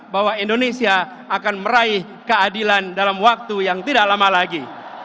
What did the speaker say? bahwa indonesia akan meraih keadilan dalam waktu yang tidak lama lagi